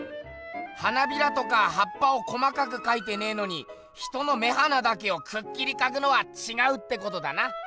花びらとかはっぱを細かくかいてねえのに人の目鼻だけをくっきりかくのはちがうってことだな。